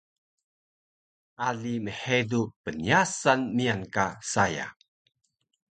Ali mhedu pnyasan miyan ka saya